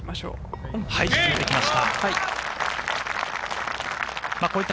沈めてきました。